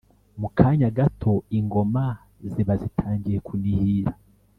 mu kanya gato ingoma ziba zitangiye kunihira.